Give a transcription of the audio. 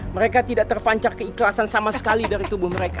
mereka tidak terpancar keikhlasan sama sekali dari tubuh mereka